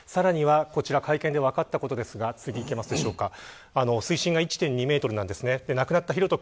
さらにはこちら会見で分かったことですが水深が１．２メートルなんです。